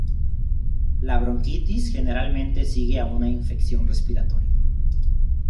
La bronquitis generalmente sigue a una infección respiratoria.